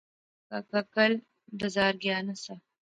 کاکا کل بزار گیا ناں سا